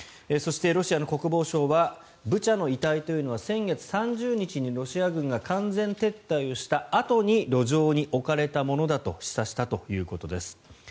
そしてロシアの国防省はブチャの遺体というのは先月３０日にロシア軍が完全撤退をしたあとに路上に置かれたものだと示唆したということです。